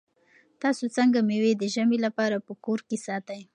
تاسو څنګه مېوې د ژمي لپاره په کور کې ساتئ؟